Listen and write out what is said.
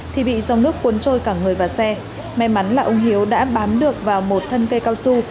thì bị dòng nước cuốn trôi cả người và xe may mắn là ông hiếu đã bám được vào một thân cây cao su